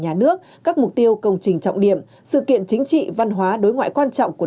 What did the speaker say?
nhà nước các mục tiêu công trình trọng điểm sự kiện chính trị văn hóa đối ngoại quan trọng của